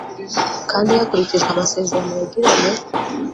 kandi hakurikijwe amasezerano yagiranye